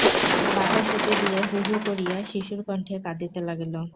বাতাস অতি দূরে হূ হূ করিয়া শিশুর কণ্ঠে কাঁদিতে লাগিল।